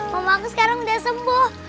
mama aku sekarang udah sembuh